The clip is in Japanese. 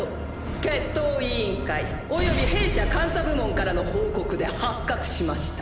決闘委員会および弊社監査部門からの報告で発覚しました。